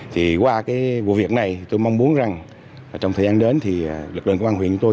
thì qua cái vụ việc này tôi mong muốn rằng trong thời gian đến thì lực lượng công an huyện của tôi